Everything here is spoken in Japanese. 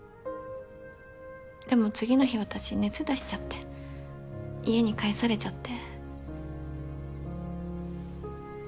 でも次の日私熱出しちゃって家に帰されちゃって。